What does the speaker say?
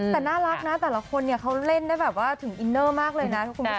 แต่น่ารักนะแต่ละคนเนี่ยเขาเล่นได้แบบว่าถึงอินเนอร์มากเลยนะคุณผู้ชม